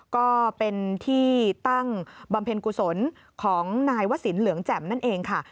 ก็เป็นที่ตั้งบำเพ็ญกุศลของนายวสินเหลืองแจ่มนั่นเองค่ะ